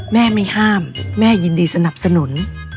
แม่ไม่ห้ามแม่ยินดีสนับสนุน